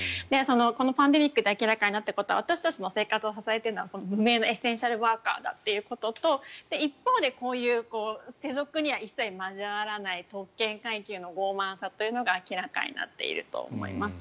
このパンデミックで明らかになっていることは私たちの生活を支えているのは無名のエッセンシャルワーカーだということと一方で、こういう世俗には一切交わらない特権階級の傲慢さというのが明らかになっていると思います。